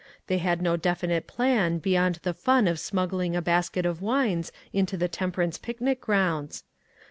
They had no definite plan beyond the fun of smuggling a basket of wines into the temperance pic nic grounds.